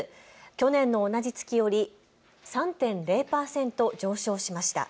去年の同じ月より３．０％上昇しました。